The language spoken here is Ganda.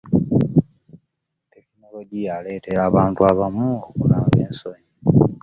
tekinologiya aleetera abantu abamu okunaaba ensonyi.